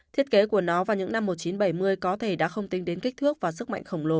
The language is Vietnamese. thiết kế của nó vào những năm một nghìn chín trăm bảy mươi có thể đã không tính đến kích thước và sức mạnh khổng lồ